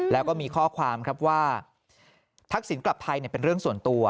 แล้วก็มีข้อความครับว่าทักษิณกลับไทยเป็นเรื่องส่วนตัว